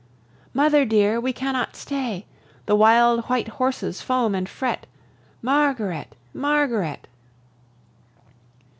"Mother dear, we cannot stay! The wild white horses foam and fret." Margaret! Margaret!